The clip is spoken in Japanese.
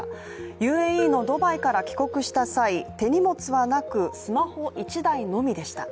ＵＡＥのドバイから帰国した際、手荷物はなくスマホ１台のみでした。